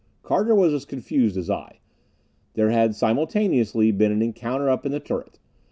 Carter was as confused as I. There had simultaneously been an encounter up in the turret.